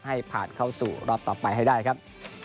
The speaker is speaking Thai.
ให้ผ่านเข้าสู่รอบต่อไปให้ได้ครับ